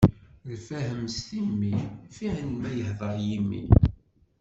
Lfahem s timmi, fiḥel ma yehdeṛ yimi.